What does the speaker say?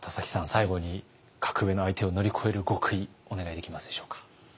最後に格上の相手を乗り越える極意お願いできますでしょうか。